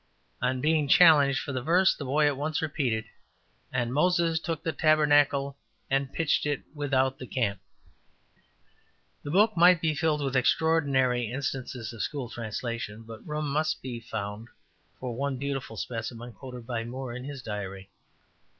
On being challenged for the verse, the boy at once repeated ``And Moses took the tabernacle and pitched it without the camp'' (Exod. xxxiii. 7). The book might be filled with extraordinary instances of school translation, but room must be found for one beautiful specimen quoted by Moore in his Diary.